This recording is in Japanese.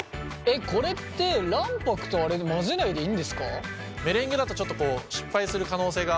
これって卵白とあれで混ぜないでいいんですか？